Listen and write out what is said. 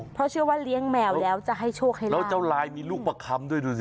เพราะเชื่อว่าเลี้ยงแมวแล้วจะให้โชคให้ลาบแล้วเจ้าลายมีลูกประคำด้วยดูสิ